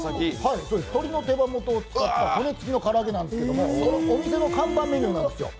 鶏の手羽元を使った鶏の唐揚げなんですけどそのお店の看板メニューなんですよ。